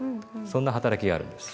そんな働きがあるんです。